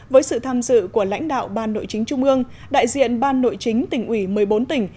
với sự tham dự của lãnh đạo ban nội chính trung ương đại diện ban nội chính tỉnh ủy một mươi bốn tỉnh